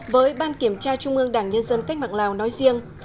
với ban kiểm tra trung ương đảng nhân dân cách mạng lào nói riêng